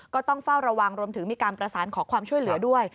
ก็ต้องเฝ้าระวังรวมถึงมีการประสานขอความช่วยเหลือด้วย